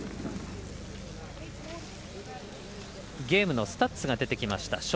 ゲームのスタッツが出てきました。